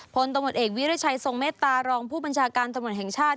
พลตำรวจเอกวิรัชัยทรงเมตตารองผู้บัญชาการตำรวจแห่งชาติ